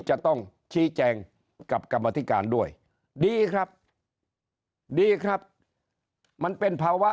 จะต้องชี้แจงกับกรรมธิการด้วยดีครับดีครับมันเป็นภาวะ